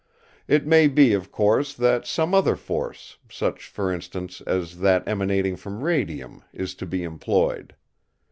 It may be, of course, that some other force, such, for instance, as that emanating from radium, is to be employed.